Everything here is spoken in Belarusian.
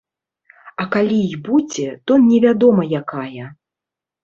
А калі і будзе, то невядома якая.